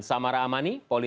tambah pinter bohong